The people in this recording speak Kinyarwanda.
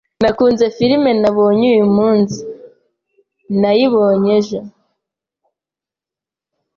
Nakunze firime nabonye uyumunsi nayibonye ejo.